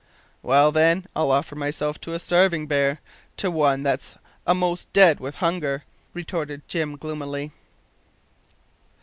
"Well, then, I'll offer myself to a starvin' bear to one that's a'most dead with hunger," retorted Jim gloomily.